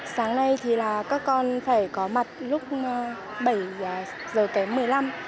sáng nay thì là các con phải có mặt lúc bảy giờ kém một mươi năm